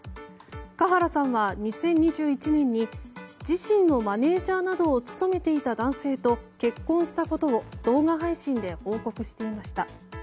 華原さんは２０２１年に自身のマネジャーなどを務めていた男性と結婚したことを動画配信で報告していました。